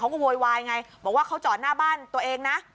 โวยวายไงบอกว่าเขาจอดหน้าบ้านตัวเองนะ